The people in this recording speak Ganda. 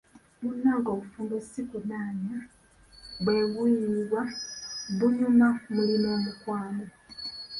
Munnange obufumbo ssi kunaanya, bweguyibwa, bunyuma mulina omukwano.